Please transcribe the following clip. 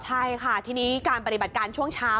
ใช่ค่ะทีนี้การปฏิบัติการช่วงเช้า